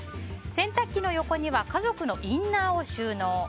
洗濯機の横には家族のインナーを収納。